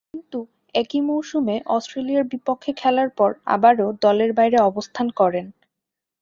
কিন্তু, একই মৌসুমে অস্ট্রেলিয়ার বিপক্ষে খেলার পর আবারও দলের বাইরে অবস্থান করেন।